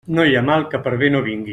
No hi ha mal que per bé no vingui.